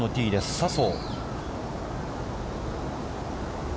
笹生。